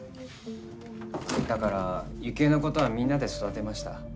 だからユキエのことはみんなで育てました。